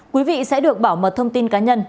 quý vị sẽ được bảo mật thông tin cá nhân